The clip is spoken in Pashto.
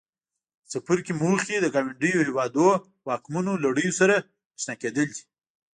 د څپرکي موخې د ګاونډیو هېوادونو واکمنو لړیو سره آشنا کېدل دي.